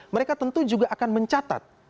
mereka tentu juga akan mencatat